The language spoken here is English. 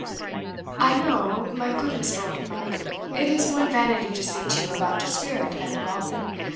"I know, my goot Mr. Oldenbuck, it is one vanity to speak to you about de spirit and de goblin.